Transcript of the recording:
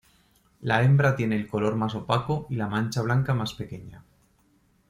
La hembra tiene el color más opaco y la mancha blanca más pequeña.